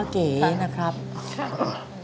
ทำงานชื่อนางหยาดฝนภูมิสุขอายุ๕๔ปี